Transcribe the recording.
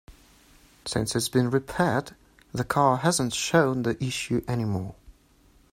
Since it's been repaired, the car hasn't shown the issue any more.